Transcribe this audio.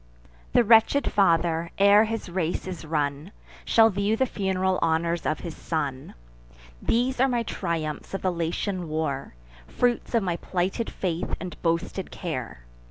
The wretched father, ere his race is run, Shall view the fun'ral honours of his son. These are my triumphs of the Latian war, Fruits of my plighted faith and boasted care!